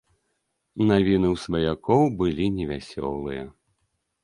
Навіны ў сваякоў былі невясёлыя.